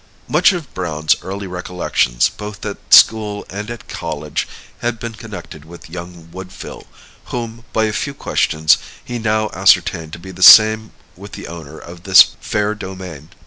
Much of Browne's early recollections, both at school and at college, had been connected with young Woodville, whom, by a few questions, he now ascertained to be the same with the owner of this fair domain.